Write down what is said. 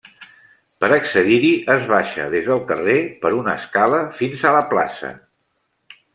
Per a accedir-hi, es baixa des del carrer per una escala fins a la plaça.